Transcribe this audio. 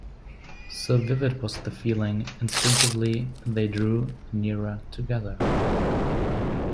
So vivid was the feeling, instinctively they drew nearer together.